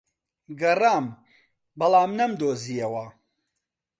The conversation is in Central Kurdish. گەڕام، بەڵام نەمدۆزییەوە.